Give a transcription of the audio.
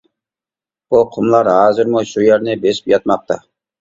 بۇ قۇملار ھازىرمۇ شۇ يەرنى بېسىپ ياتماقتا.